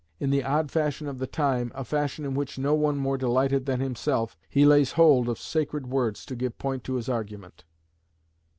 In the odd fashion of the time a fashion in which no one more delighted than himself he lays hold of sacred words to give point to his argument.